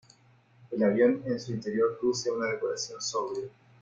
El avión en su interior luce una decoración sobria.